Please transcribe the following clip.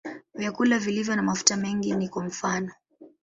Vyakula vilivyo na mafuta mengi ni kwa mfano.